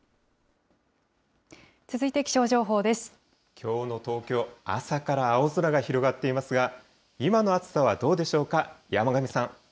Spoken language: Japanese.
きょうの東京、朝から青空が広がっていますが、今の暑さはどうでしょうか。